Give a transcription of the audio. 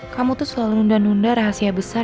kamu tuh selalu nunda nunda rahasia besar